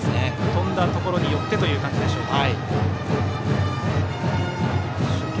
飛んだところによってという感じでしょうか。